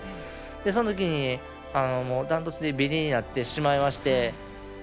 そのとき、ダントツでビリになってしまいまして。